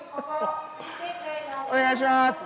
お願いします！